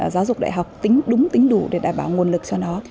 giúp đại học đúng tính đủ để đảm bảo nguồn lực cho nó